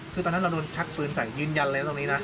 คือตอนนั้นเราโดนชักปืนใส่ยืนยันเลยตรงนี้นะ